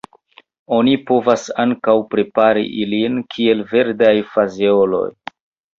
Oni povas ankaŭ prepari ilin kiel verdaj fazeoloj.